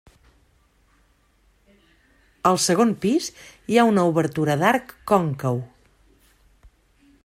Al segon pis hi ha una obertura d'arc còncau.